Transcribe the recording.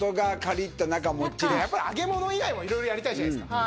やっぱり揚げ物以外も色々やりたいじゃないですか。